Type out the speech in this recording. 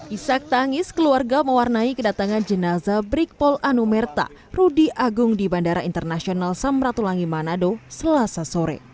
isak tangis keluarga mewarnai kedatangan jenazah brikpol anumerta rudy agung di bandara internasional samratulangi manado selasa sore